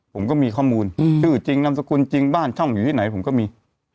ผมก็มีข้อมูลชื่อจริงนามสกุลจริงบ้านช่องอยู่ที่ไหนผมก็มี